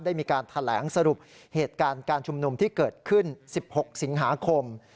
ได้มีการแถลงสรุปเหตุการณ์การชุมนุมที่เกิดขึ้น๑๖สิงหาคม